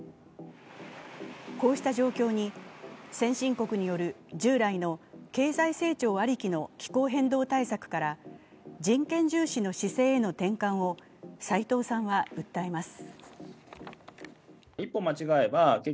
こうした状況に先進国による従来の経済成長ありきの気候変動対策から、人権重視の姿勢への転換を斎藤さんは訴えます。